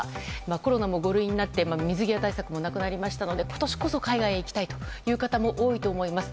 コロナも５類になって水際対策もなくなりましたので今年こそ海外へ行きたいという方も多いと思います。